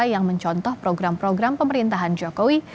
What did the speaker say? yang mencontoh program program pemerintahan jokowi